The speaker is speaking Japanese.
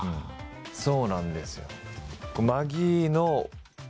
そうなんですよ。